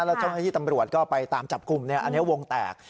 แล้วเจ้าหน้าที่ตำรวจก็ไปตามจับกลุ่มอันนี้วงแตก